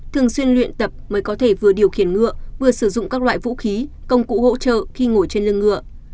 thường xuyên luyện tập mới có thể vừa điều khiển ngựa vừa sử dụng các loại vũ khí công cụ hỗ trợ khi ngồi trên lưng ngựa